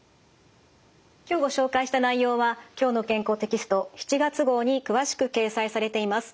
今日ご紹介した内容は「きょうの健康」テキスト７月号に詳しく掲載されています。